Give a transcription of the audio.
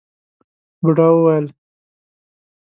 بوډا وويل: